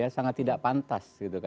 sangat tidak pantas